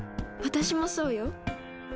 私もそうよ。